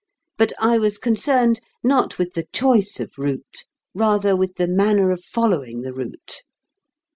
But I was concerned, not with the choice of route; rather with the manner of following the route.